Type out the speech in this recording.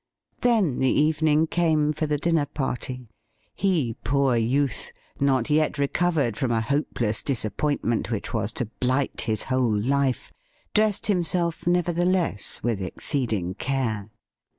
Then the evening came for the dinner party. He, poor youth ! not yet recovered from a hopeless disappointment which was to blight his whole life, dressed himself, never theless, with exceeding care.